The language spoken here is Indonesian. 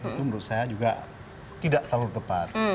itu menurut saya juga tidak terlalu tepat